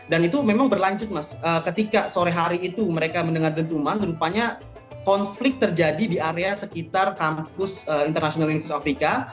dan itu memang berlanjut ketika sore hari itu mereka mendengar dentuman rupanya konflik terjadi di area sekitar kampus international university of indonesia